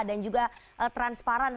dan juga transparan